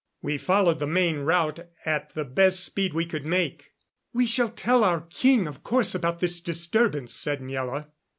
We followed the main route at the best speed we could make. "We shall tell our king, of course, about this disturbance," said Miela.